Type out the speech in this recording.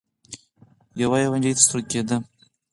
يوه يوه نجلۍ تر سترګو کېده.